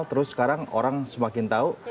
terus sekarang orang semakin tahu